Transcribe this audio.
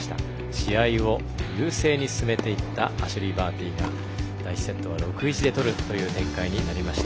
試合を優勢に進めていったアシュリー・バーティが第１セットは６−１で取るという展開になりました。